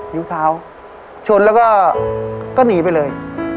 นิ้วเท้าชนแล้วก็หนีไปเลย